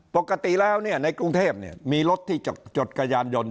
ปกติแล้วในกรุงเทพมีรถที่จดกระยานยนต์